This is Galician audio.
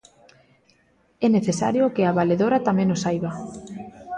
É necesario que a valedora tamén o saiba.